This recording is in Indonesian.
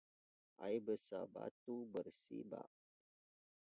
Air besar batu bersibak